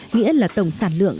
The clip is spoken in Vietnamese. nghĩa là tổng sản lượng